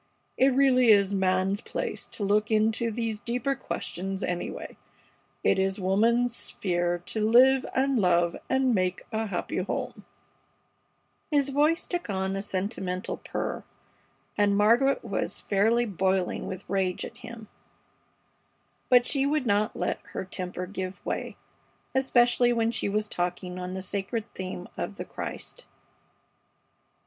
It really is man's place to look into these deeper questions, anyway. It is woman's sphere to live and love and make a happy home " His voice took on a sentimental purr, and Margaret was fairly boiling with rage at him; but she would not let her temper give way, especially when she was talking on the sacred theme of the Christ.